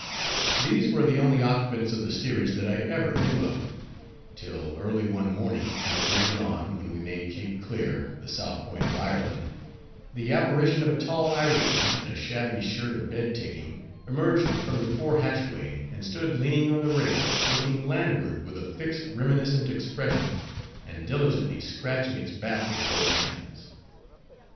These were the only occupants of the steerage that I ever knew of; till early one morning, in the gray dawn, when we made Cape Clear, the south point of Ireland, the apparition of a tall Irishman, in a shabby shirt of bed ticking, emerged from the fore hatchway, and stood leaning on the rail, looking landward with a fixed, reminiscent expression, and diligently scratching its back with both hands.